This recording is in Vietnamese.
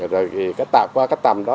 rồi qua cái tầm đó